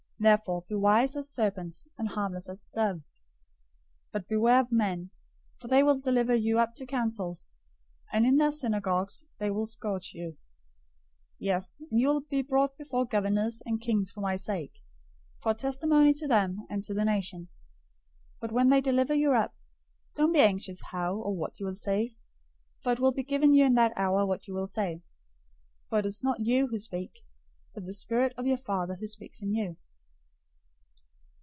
Therefore be wise as serpents, and harmless as doves. 010:017 But beware of men: for they will deliver you up to councils, and in their synagogues they will scourge you. 010:018 Yes, and you will be brought before governors and kings for my sake, for a testimony to them and to the nations. 010:019 But when they deliver you up, don't be anxious how or what you will say, for it will be given you in that hour what you will say. 010:020 For it is not you who speak, but the Spirit of your Father who speaks in you.